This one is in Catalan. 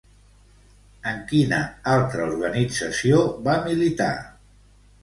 En quina altra organització va militar?